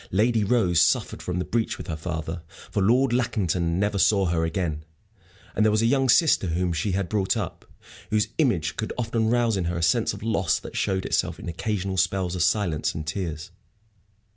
Lady Rose suffered from the breach with her father, for Lord Lackington never saw her again. And there was a young sister whom she had brought up, whose image could often rouse in her a sense of loss that showed itself in occasional spells of silence and tears.